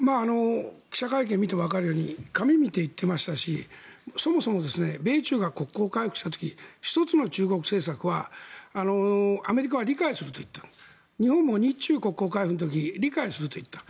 記者会見を見てわかるように紙を見て言っていましたしそもそも米中が国交回復した時一つの中国政策はアメリカは理解すると言った日本も日中国交回復の時理解すると言った。